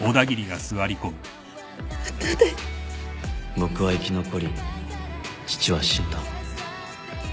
僕は生き残り父は死んだ